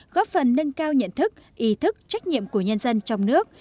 góp phần nâng cao nhận thức ý thức trách nhiệm của nhân dân trong nước